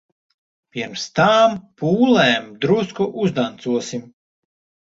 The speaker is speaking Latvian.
Pirms tām pūlēm drusku uzdancosim.